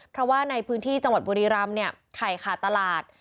เพราะว่าในพื้นที่จังหวัดบุรีรำเนี่ยไข่ขาดตลาด